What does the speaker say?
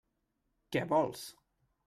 Què vols?